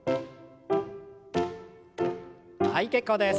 はい結構です。